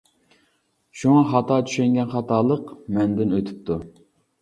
شۇڭا خاتا چۈشەنگەن خاتالىق مەندىن ئۆتۈپتۇ.